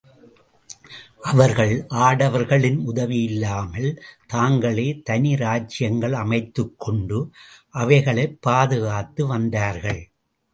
அவர்கள் ஆடவர்களின் உதவியில்லாமல் தாங்களே தனி ராஜ்ஜியங்கள் அமைத்துக் கொண்டு அவைகளைப் பாதுகாத்து வந்தார்கள்.